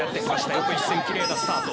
横一線きれいなスタート。